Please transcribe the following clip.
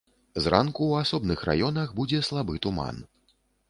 Зранку ў асобных раёнах будзе слабы туман.